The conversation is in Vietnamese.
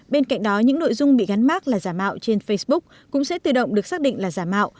bên cạnh đó những nội dung bị gắn mát là giả mạo trên facebook cũng sẽ tự động được xác định là giả mạo